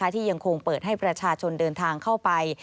ที่ยังคงเปิดให้ประชาชนเดินทางเข้าไป